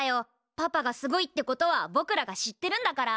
パパがすごいってことはぼくらが知ってるんだから。